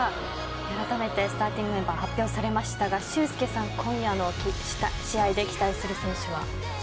あらためてスターティングメンバー発表されましたが俊輔さん、今夜の試合で期待する選手は？